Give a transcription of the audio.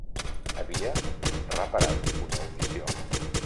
Havia reparat una omissió.